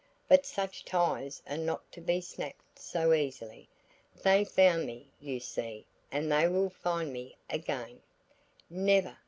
But such ties are not to be snapped so easily. They found me, you see, and they will find me again " "Never!"